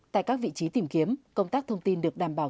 tại các vị trí tìm kiếm công tác thông tin được đảm bảo